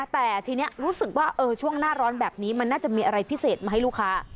แต่ทีนี้รู้สึกว่าช่วงหน้าร้อนแบบนี้มันน่าจะมีอะไรพิเศษมาให้ลูกค้า